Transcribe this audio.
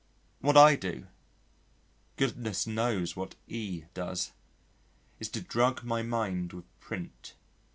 What I do (goodness knows what E does), is to drug my mind with print.